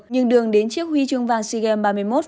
nhưng đường đến chiếc huy chương vàng sea games ba mươi một